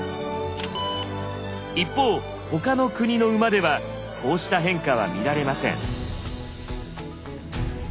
一方他の国の馬ではこうした変化は見られません。